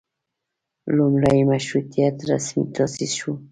لومړۍ مشروطیت رسمي تاسیس شو.